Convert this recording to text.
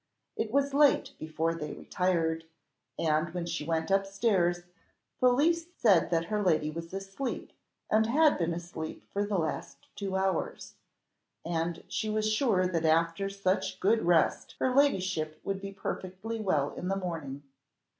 It was late before they retired, and when she went up stairs, Felicie said that her lady was asleep, and had been asleep for the last two hours, and she was sure that after such good rest her ladyship would be perfectly well in the morning.